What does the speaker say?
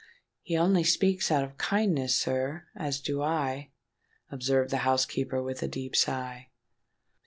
"He only speaks out of kindness, sir—as I do," observed the housekeeper, with a deep sigh.